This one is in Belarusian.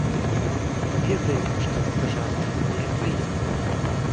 Ведаю, што гэта жарт, але прыемны.